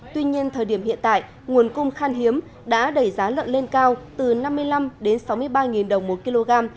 tuy nhiên thời điểm hiện tại nguồn cung khan hiếm đã đẩy giá lợn lên cao từ năm mươi năm đến sáu mươi ba đồng một kg